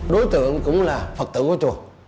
đối tượng cũng là phật tử của chùa